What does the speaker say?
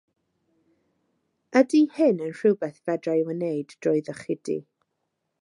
Ydi hyn yn rhywbeth fedra i wneud drwyddo chdi?